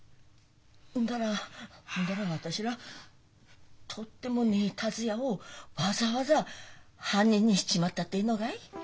んだらんだら私ら盗ってもねえ達也をわざわざ犯人にしちまったっていうのかい？